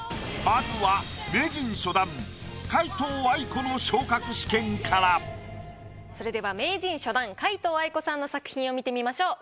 ここからはまずはそれでは名人初段皆藤愛子さんの作品を見てみましょう。